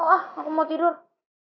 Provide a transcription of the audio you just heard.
ah aku mau tidur